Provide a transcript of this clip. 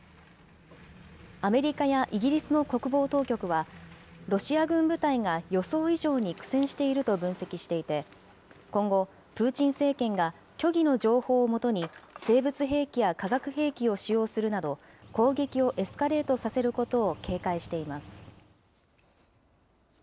アメリカやイギリスの国防当局は、ロシア軍部隊が予想以上に苦戦していると分析していて、今後、プーチン政権が、虚偽の情報を基に、生物兵器や化学兵器を使用するなど、攻撃をエスカレートさせることを警戒しています。